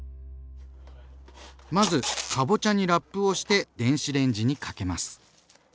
まずかぼちゃにラップをして電子レンジにかけます。